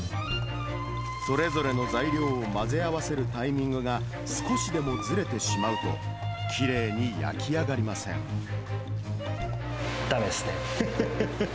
それぞれの材料を混ぜ合わせるタイミングが、少しでもずれてしまうと、だめですね。